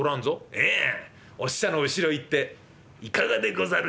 「ええお使者の後ろへ行って『いかがでござる？